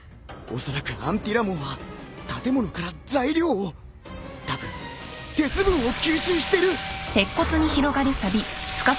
おそらくアンティラモンは建物から材料をたぶん鉄分を吸収してる！